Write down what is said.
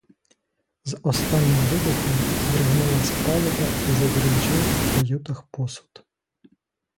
З останнім вибухом здригнулась палуба і задеренчав у каютах посуд.